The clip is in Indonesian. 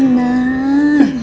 nanti aku kenapa ini